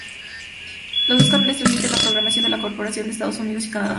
Los dos canales transmiten la programación de la corporación en Estados Unidos y Canadá.